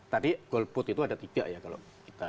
tadi goal put itu ada tiga ya kalau kita